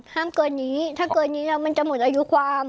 ห้ามเกินนี้ถ้าเกินนี้หรือว่ามันจะหมดอายุความ